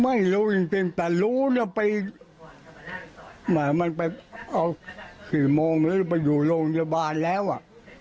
ไม่รู้จริงจริงแต่รู้แล้วไปหมายความว่ามันไปเอา๔โมงไปอยู่โรงพยาบาลแล้วอ่ะ